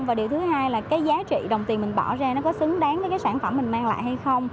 và điều thứ hai là cái giá trị đồng tiền mình bỏ ra nó có xứng đáng với cái sản phẩm mình mang lại hay không